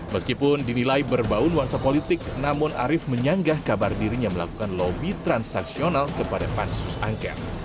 meskipun dinilai berbau nuansa politik namun arief menyanggah kabar dirinya melakukan lobby transaksional kepada pansus angket